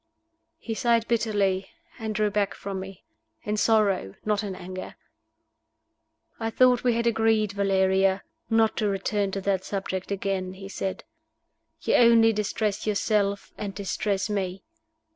He sighed bitterly, and drew back from me in sorrow, not in anger. "I thought we had agreed, Valeria, not to return to that subject again," he said. "You only distress yourself and distress me."